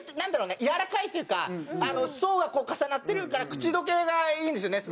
やわらかいっていうかあの層が重なってるから口溶けがいいんですよね